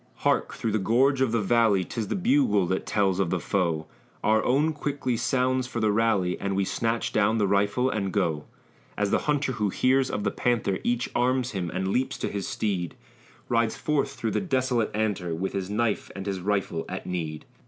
Hark! through the gorge of the valley, 'Tis the bugle that tells of the foe; Our own quickly sounds for the rally, And we snatch down the rifle and go. As the hunter who hears of the panther, Each arms him and leaps to his steed, Rides forth through the desolate antre, With his knife and his rifle at need.